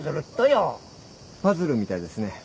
パズルみたいですね。